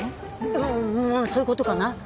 うんそういうことかな